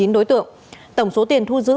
một mươi chín đối tượng tổng số tiền thu giữ